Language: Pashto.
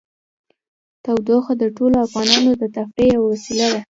تودوخه د ټولو افغانانو د تفریح یوه وسیله ده.